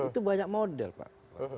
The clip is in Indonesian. itu banyak model pak